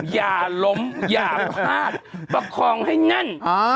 อย่าล้มอย่าพลาดประคองให้แน่น